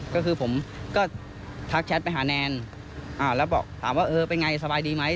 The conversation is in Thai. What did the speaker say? ก็คือผมก็ทักแชทไปหาแนนแล้วบอกถามว่าเออเป็นไงสบายดีไหม